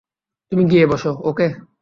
তুমি গিয়ে বসো, ওকে?